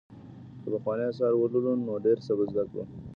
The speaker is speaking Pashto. که پخواني آثار ولولو نو ډېر څه به زده کړو.